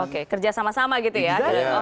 oke kerja sama sama gitu ya